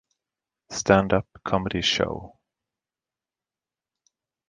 Stand-up comedy show.